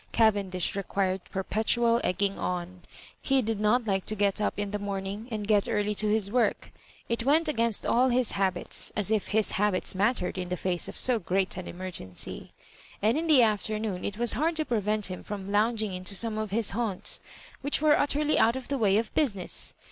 Cavendish required perpetual egging on. He did not like to get up in the morning, and get early to his work. It went against all his habits — as if his habits mattered in the face of BO great an emergency ; and in the afternoon it was hard to prevent him from lounging into some of his haunts, which were utterly out of the way of business.